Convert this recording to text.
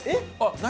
何？